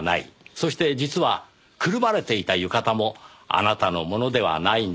そして実はくるまれていた浴衣もあなたのものではないんです。